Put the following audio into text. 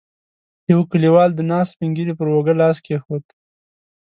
يوه کليوال د ناست سپين ږيری پر اوږه لاس کېښود.